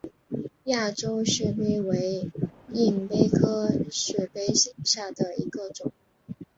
亚洲血蜱为硬蜱科血蜱属下的一个种。